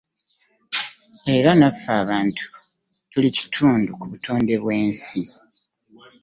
Era nnaffe abantu tuli kitundu ku butonde bwensi.